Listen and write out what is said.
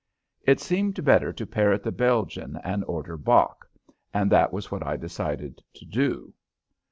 It seemed better to parrot the Belgian and order "Bock," and that was what I decided to do.